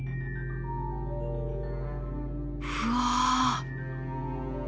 うわ。